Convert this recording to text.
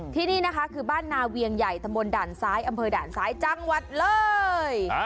ที่นี่นะคะคือบ้านนาเวียงใหญ่ตำบลด่านซ้ายอำเภอด่านซ้ายจังหวัดเลย